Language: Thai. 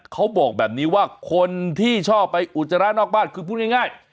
เขาบอกแบบนี้ว่าคนที่ชอบไปอุจจาระนอกบ้านคือพูดง่าย